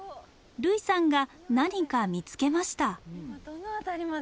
類さんが何か見つけました。